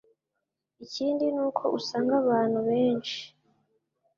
ikindi, n'uko usanga abantu benshi